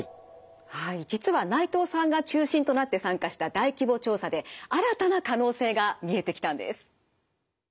はい実は内藤さんが中心となって参加した大規模調査で新たな可能性が見えてきたんです。